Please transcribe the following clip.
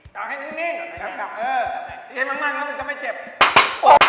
จับให้นิ่งจับเผื่อมันมากแล้วมันจะไม่เจ็บ